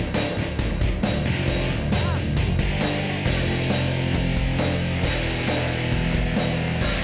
gue datang kesini cuma mau tau dia